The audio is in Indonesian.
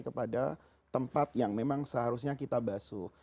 kepada tempat yang memang seharusnya kita basuh